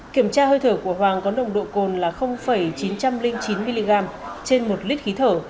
kiểm tra hơi thở của hoàng có nồng độ cồn là chín trăm linh chín mg trên một lít khí thở